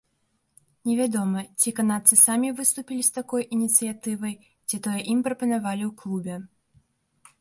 Невядома, ці канадцы самі выступілі з такой ініцыятывай, ці тое ім прапанавалі ў клубе.